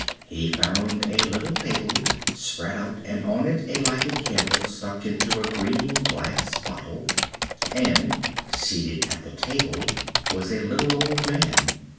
He found a little table spread out and on it a lighted candle stuck into a green glass bottle, and, seated at the table, was a little old man.